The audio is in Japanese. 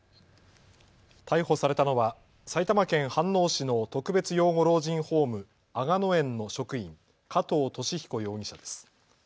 逮捕されたのは埼玉県飯能市の特別養護老人ホーム、吾野園の職員、加藤肇彦容疑者です。